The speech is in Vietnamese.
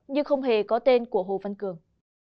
nhưng không hề có tên của hồ văn cường